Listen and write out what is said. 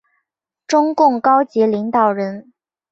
中共高级领导人。